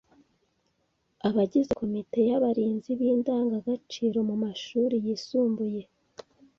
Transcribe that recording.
Abagize komite y’abarinzi b’indangagaciro mu mashuri yisumbuye